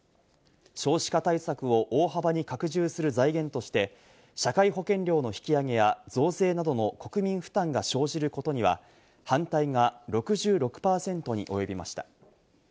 少子化対策を大幅に拡充する財源として社会保険料の引き上げや増税などの国民負担が生じることには、反対が６６％に及びました。